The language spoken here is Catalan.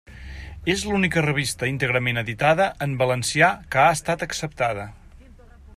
És l'única revista íntegrament editada en valencià que ha estat acceptada.